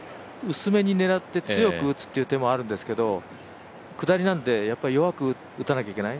薄めに狙って強く打つっていう手もあるんですけど下りなので、弱く打たなきゃいけない。